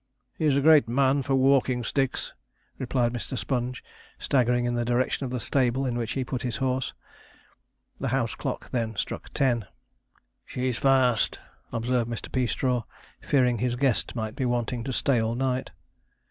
'He's a great man for walking sticks,' replied Mr. Sponge, staggering in the direction of the stable in which he put his horse. The house clock then struck ten. 'She's fast,' observed Mr. Peastraw, fearing his guest might be wanting to stay all night.